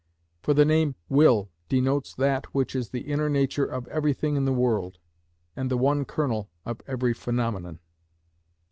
For the name will denotes that which is the inner nature of everything in the world, and the one kernel of every phenomenon.